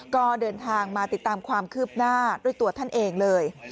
ก็เดินทางมาติดตามความคืบหน้าด้วยตัวท่านเองเลย